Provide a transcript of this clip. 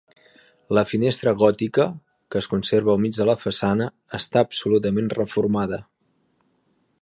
La finestra gòtica, que es conserva al mig de la façana, està absolutament reformada.